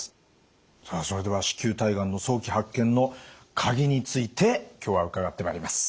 さあそれでは子宮体がんの早期発見のカギについて今日は伺ってまいります。